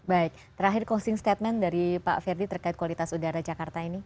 baik terakhir closing statement dari pak ferdi terkait kualitas udara jakarta ini